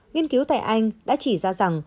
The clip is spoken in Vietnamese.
nghiên cứu tại anh đã chỉ ra rằng